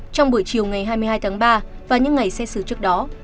trong buổi chiều ngày hai mươi hai tháng ba và những ngày xét xử trước đó